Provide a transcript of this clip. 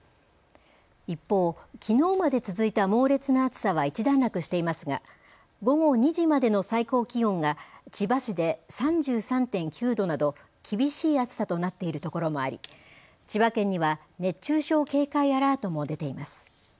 一方、きのうまで続いた猛烈な暑さは一段落していますが午後２時までの最高気温が千葉市で３３．９度など厳しい暑さとなっている所もあり千葉県には熱中症警戒アラートも出ています。